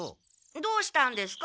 どうしたんですか？